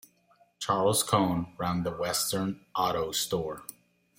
Charles Cone ran the Western Auto Store.